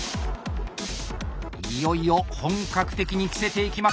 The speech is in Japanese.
いよいよ本格的に着せていきます。